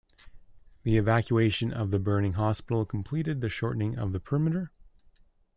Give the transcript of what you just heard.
The evacuation of the burning hospital completed the shortening of the perimeter.